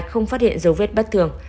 không phát hiện dấu vết bất thường